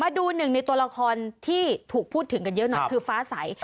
ดูหนึ่งในตัวละครที่ถูกพูดถึงกันเยอะหน่อยคือฟ้าใส